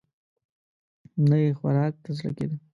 نه يې خوراک ته زړه کېده.